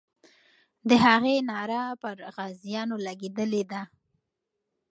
د هغې ناره پر غازیانو لګېدلې ده.